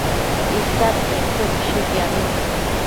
isadtsenquio bëshuquiabi